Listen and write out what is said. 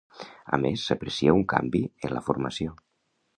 A més, s'aprecia un canvi en la formació.